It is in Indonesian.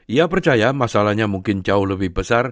ia percaya masalahnya mungkin jauh lebih besar